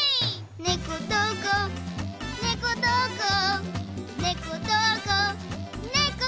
ねこどこねこどこねこどこねこ